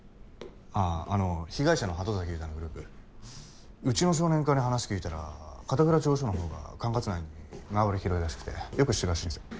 あああの被害者の鳩崎優太のグループうちの少年課に話聞いたら片倉中央署のほうが管轄内に縄張り広いらしくてよく知ってるらしいんですよ。